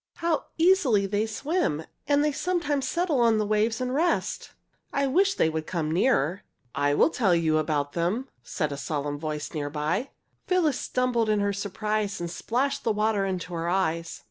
"How easily they swim, and they sometimes settle on the waves and rest. I wish they would come nearer!" "I will tell you about them," said a solemn voice near by. Phyllis stumbled in her surprise and splashed the water into her eyes.